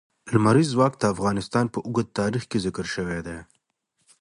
لمریز ځواک د افغانستان په اوږده تاریخ کې ذکر شوی دی.